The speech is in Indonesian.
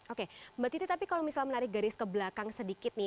oke mbak titi tapi kalau misalnya menarik garis ke belakang sedikit nih